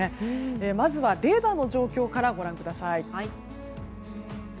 まずはレーダーの状況からご覧ください。